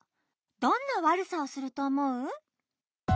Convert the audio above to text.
どんなわるさをするとおもう？